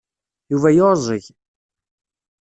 Yuba yeɛẓeg.